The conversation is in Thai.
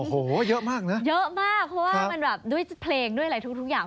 โอ้โหเยอะมากนะเยอะมากเพราะว่ามันแบบด้วยเพลงด้วยอะไรทุกอย่าง